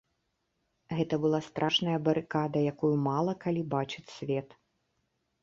Гэта была страшная барыкада, якую мала калі бачыць свет.